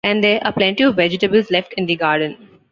And there are plenty of vegetables left in the garden.